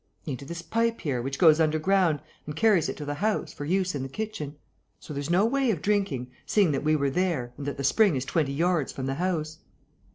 "Into this pipe here, which goes under ground and carries it to the house, for use in the kitchen. So there's no way of drinking, seeing that we were there and that the spring is twenty yards from the house."